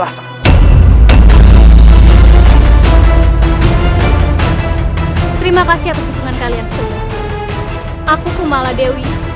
akan menjadi pembuat hidupmu